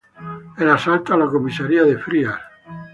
El asalto a la comisaría de Frías.